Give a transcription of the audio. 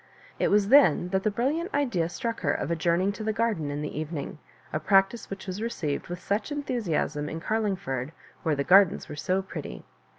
It was then that the brilliant idea struck her of adjourn ing to the garden in the evening — a practice which was received with such enthusiasm in Carlmgford, where the gardens were so pretty.